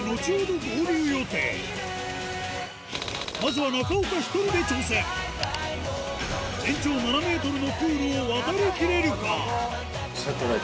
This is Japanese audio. まずは中岡一人で挑戦全長７ｍのプールを渡りきれるか？